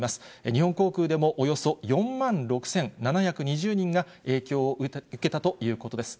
日本航空でもおよそ４万６７２０人が影響を受けたということです。